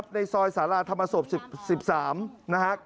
ในซอยสาราธรรมศพ๑๓นะฮะ